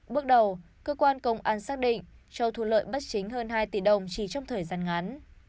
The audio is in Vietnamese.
bước đầu cơ quan công an xác định cho thu lợi bất chính hơn hai tỷ đồng chỉ trong thời gian ngắn